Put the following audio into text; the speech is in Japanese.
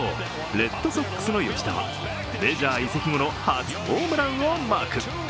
レッドソックスの吉田はメジャー移籍後の初ホームランをマーク。